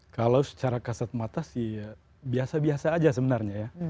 kalau secara kasat mata sih ya biasa biasa aja sebenarnya ya